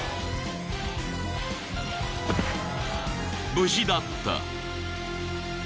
［無事だった］